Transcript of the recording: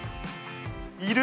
いる。